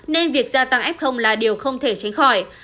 nên việc gia tăng f là điều không thể tránh khỏi